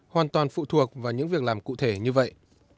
hoàn toàn phụ thuộc vào những việc làm cụ thể như vậy